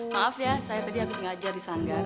maaf ya saya tadi habis ngajar di sanggar